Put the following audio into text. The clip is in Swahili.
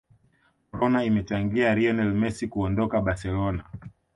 corona imechangia lionel messi kuondoka barcelona